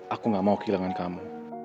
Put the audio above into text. aku gak mau kehilangan kamu